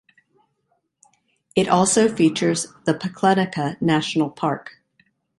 It also features the Paklenica national park.